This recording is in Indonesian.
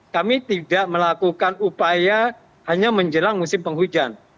kami tidak melakukan upaya hanya menjelang musim penghujan